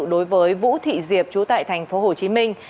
đối với vũ thị diệp trú tại thành phố hồ chí minh